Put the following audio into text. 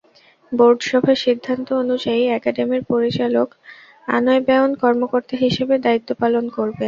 Board সভার সিদ্ধান্ত অনুযায়ী একাডেমীর পরিচালক আয়ন-ব্যয়ন কর্মকর্তা হিসেবে দায়িত্ব পালন করবেন।